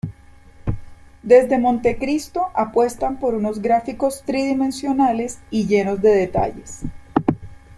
Desde Monte Cristo apuestan por unos gráficos tridimensionales y lleno de detalles.